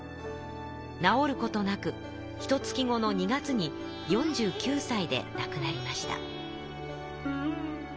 治ることなく１か月後の２月に４９さいでなくなりました。